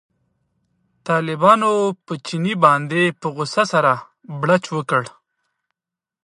طالبانو په چیني باندې په غوسه سره بړچ وکړ.